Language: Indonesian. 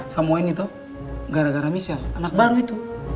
samu ini tuh gara gara michelle anak baru itu